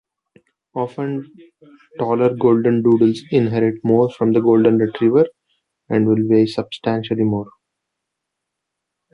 Often, taller goldendoodles inherit more from the golden retriever and will weigh substantially more.